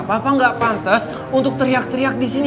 pak pak nggak pantes untuk teriak teriak di sini